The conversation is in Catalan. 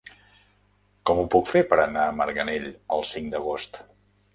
Com ho puc fer per anar a Marganell el cinc d'agost?